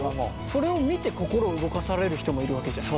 それを見て心を動かされる人もいるわけじゃん。